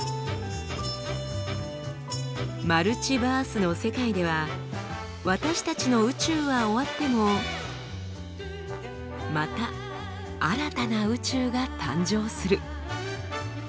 マルチバースの世界では私たちの宇宙は終わってもまた新たな宇宙が誕生する。